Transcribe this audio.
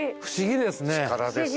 不思議ですね。